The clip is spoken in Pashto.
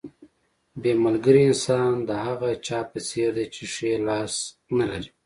بې ملګري انسان د هغه چا په څېر دی چې ښی لاس نه لري.